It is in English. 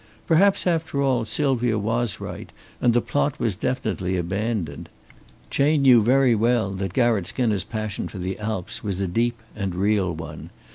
Perhaps after all Sylvia was right and the plot was definitely abandoned. Chayne knew very well that Garratt Skinner's passion for the Alps was a deep and real one.